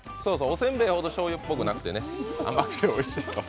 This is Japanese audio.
おせんべいほどしょうゆっぽくなくて甘くておいしい。